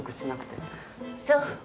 そう。